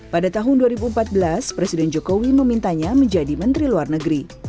pada tahun dua ribu empat belas presiden jokowi memintanya menjadi menteri luar negeri